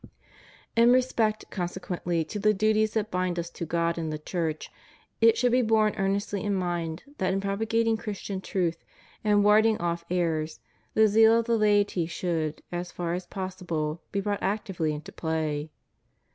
In respect consequently to the duties that bind us to God and the Church, it should be borne earnestly in mind that in propagating Christian truth and warding off errors, the zeal of the laity should, as far as possible, be brought actively into play.